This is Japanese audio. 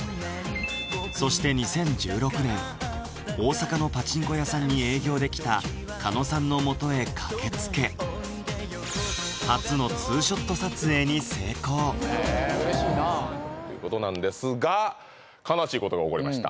そして２０１６年大阪のパチンコ屋さんに営業で来た狩野さんのもとへ駆けつけ初の２ショット撮影に成功ということなんですが悲しいことが起こりました